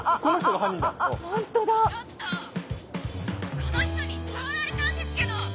この人に触られたんですけど！